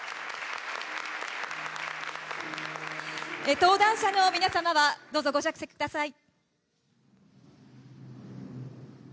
登壇者の皆様はどうぞご着席ください。